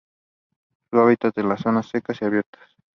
Su hábitat son las zonas secas y abiertas.